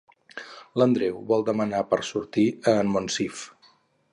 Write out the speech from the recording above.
L'Andreu vol demanar per sortir a en Monsif.